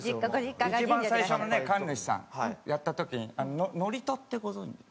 一番最初のね神主さんやった時に祝詞ってご存じ？